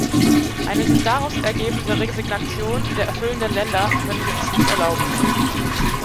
Eine sich daraus ergebende Resignation der erfüllenden Länder können wir uns nicht erlauben.